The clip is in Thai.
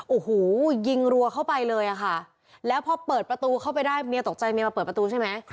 โอ้โหยิงรัวเข้าไปเลยค่ะแล้วพอเปิดประตูเข้าไปได้เมียตกใจเมียมาเปิดประตูใช่ไหม